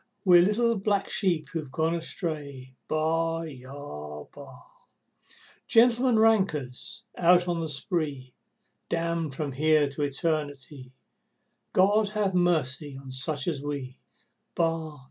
We're little black sheep who've gone astray, Baa aa aa! Gentlemen rankers out on the spree, Damned from here to Eternity, God ha' mercy on such as we, Baa!